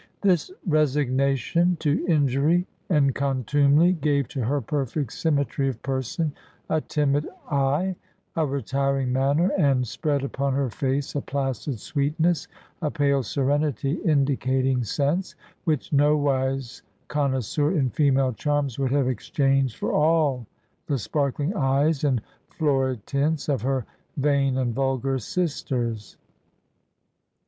This resignation to injury and contumely gave to her perfect symmetry of person, a timid eye, a retiring manner, and spread upon her face a placid sweetness, a pale serenity indicating sense, which no wise connoisseur in female charms would have exchanged for all the sparkling eyes and florid tints of her vain and vulgar sisters.